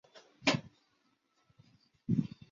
命令航路之中也以基隆神户线最为重要。